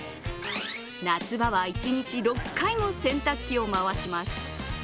夏場は一日６回も洗濯機を回します。